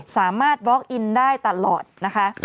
สามารถบล็อกอินได้ตลอดนะคะ